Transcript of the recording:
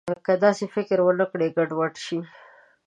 که داسې فکر ونه کړي، ګډوډ شي.